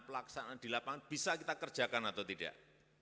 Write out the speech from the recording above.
pelaksanaan di lapangan bisa kita kerjakan atau tidak